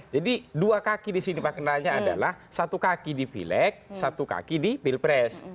jadi dua kaki di sini pak kenalnya adalah satu kaki di pileg satu kaki di pilpres